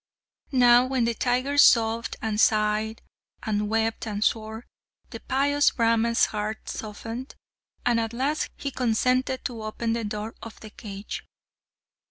Now when the tiger sobbed and sighed and wept and swore, the pious Brahman's heart softened, and at last he consented to open the door of the cage.